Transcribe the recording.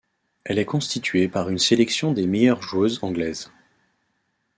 Elle est constituée par une sélection des meilleures joueuses anglaises.